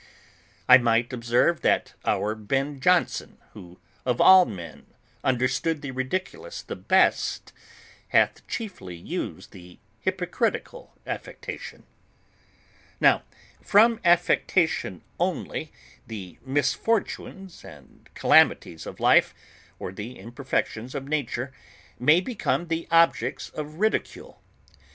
I might observe that our Ben Jonson, who of all men understood the Ridiculous the best, hath chiefly used the hypocritical affectation. Now, from affectation only, the misfortunes and calamities of life, or the imperfections of nature, may become the objects of ridicule.